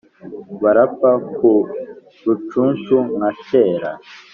barapfa ku rucunshu nka kera